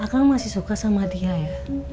kamu masih suka sama dia ya